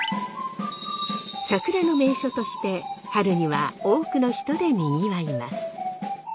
桜の名所として春には多くの人でにぎわいます。